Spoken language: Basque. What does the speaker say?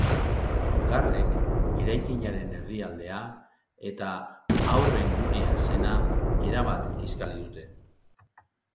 Garrek eraikinaren erdialdea eta haurren gunea zena erabat kiskali dute.